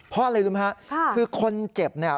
พอด้วยรู้ไหมครับคือคนเจ็บนี่